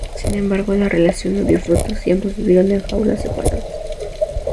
Sin embargo la relación no dio fruto y ambos vivieron en jaulas separadas.